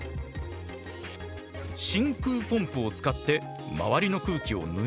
真空ポンプを使って周りの空気を抜いてみよう。